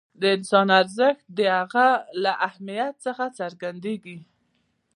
د انسان ارزښت د هغه له اهمیت څخه څرګندېږي.